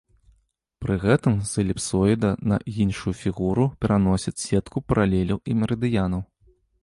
Пры гэтым з эліпсоіда на іншую фігуру пераносяць сетку паралеляў і мерыдыянаў.